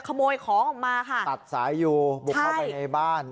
ขโมยของออกมาค่ะตัดสายอยู่บุกเข้าไปในบ้าน